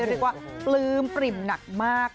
เรียกว่าปลื้มปริ่มหนักมาก